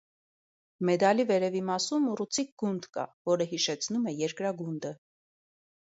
Մեդալի վերևի մասում ուռուցիկ գունդ կա, որը հիշեցնում է երկրագունդը։